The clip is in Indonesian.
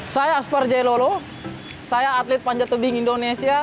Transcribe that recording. saya aspar jailolo saya atlet panjat tebing indonesia